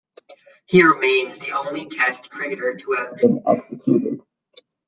He remains the only Test cricketer to have been executed.